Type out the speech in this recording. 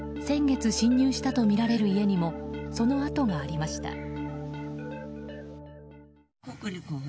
先月侵入したとみられる家にもその跡がありました。